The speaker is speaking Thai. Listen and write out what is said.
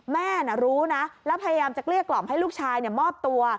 แม่รู้นะแล้วพยายามจะเกลี้ยกล่อมให้ลูกชายมอบตัว